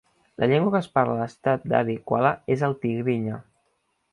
La llengua que es parla a la ciutat d'Adi Quala és el tigrinya.